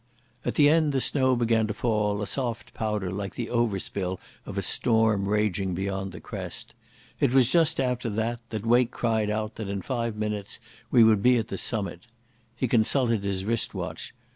At the end the snow began to fall, a soft powder like the overspill of a storm raging beyond the crest. It was just after that that Wake cried out that in five minutes we would be at the summit. He consulted his wrist watch.